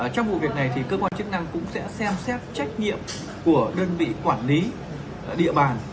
trong vụ việc này thì cơ quan chức năng cũng sẽ xem xét trách nhiệm của đơn vị quản lý địa bàn